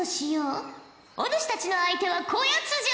お主たちの相手はこやつじゃ！